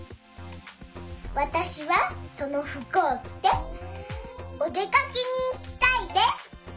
わたしはそのふくをきておでかけにいきたいです。